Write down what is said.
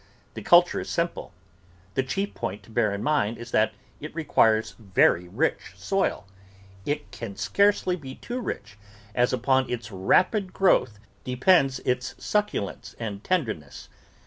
The culture is simple: the chief point to bear in mind is that it requires very rich soil; it can scarcely be too rich, as upon its rapid growth depends its suc GREENS AND SALAD VEGETABLES culence and tenderness.